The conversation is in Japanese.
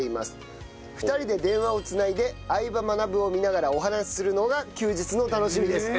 ２人で電話を繋いで『相葉マナブ』を見ながらお話するのが休日の楽しみです。